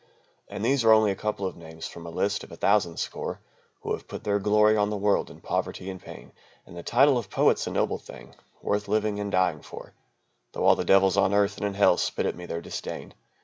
"And these are only a couple of names from a list of a thousand score Who have put their glory on the world in poverty and pain. And the title of poet's a noble thing, worth living and dying for, Though all the devils on earth and in Hell spit at me their disdain.